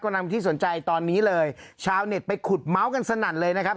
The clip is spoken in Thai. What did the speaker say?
นำที่สนใจตอนนี้เลยชาวเน็ตไปขุดเมาส์กันสนั่นเลยนะครับ